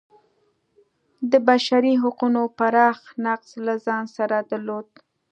د بشري حقونو پراخ نقض له ځان سره درلود.